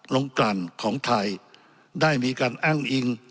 ลงกลั่นของไทยได้มีการอ้างอิง